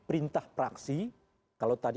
perintah praksi kalau tadi